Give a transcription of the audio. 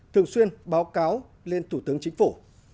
thường xuyên báo cáo lên thủ tướng chính phủ